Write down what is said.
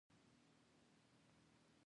ونې ارزښت لري.